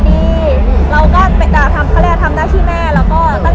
มเราโพกัสกับหน้าที่ความเป็นแม่ง